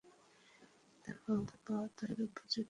তার বাবা তার উপর চিৎকার করে।